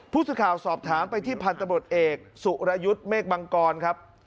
ผู้สิทธิ์ข่าวสอบถามไปที่พันธุ์ตำรวจเอกสุรยุทธิ์เมฆบังกรครับ